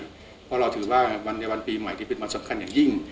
เพราะเราถือว่าในวันปีใหม่ที่เป็นวันสำคัญอย่างยิ่ง